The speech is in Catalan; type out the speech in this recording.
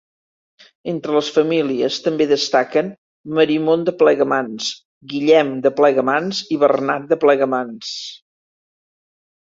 Entre els familiars també destaquen Marimon de Plegamans, Guillem de Plegamans i Bernat de Plegamans.